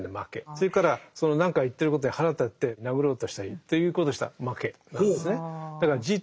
それからその何か言ってることに腹立てて殴ろうとしたりということをしたら負けなんですね。